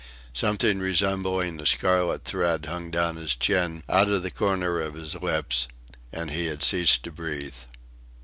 Something resembling a scarlet thread hung down his chin out of the corner of his lips and he had ceased to breathe.